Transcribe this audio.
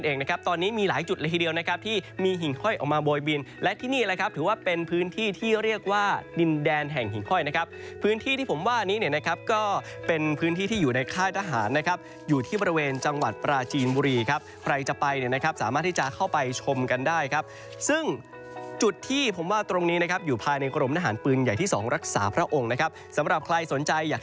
นะครับที่มีหิ่งค่อยออกมาโบยบินและที่นี่แหละครับถือว่าเป็นพื้นที่ที่เรียกว่าดินแดนแห่งหิ่งค่อยนะครับพื้นที่ที่ผมว่านี้เนี่ยนะครับก็เป็นพื้นที่ที่อยู่ในค่าทหารนะครับอยู่ที่บริเวณจังหวัดปราจีนบุรีครับใครจะไปเนี่ยนะครับสามารถที่จะเข้าไปชมกันได้ครับซึ่งจุดที่ผมว่าตรงนี้นะครับอยู่ภาย